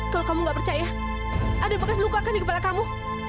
kalau kamu gak percaya ada bekas luka kan di kepala kamu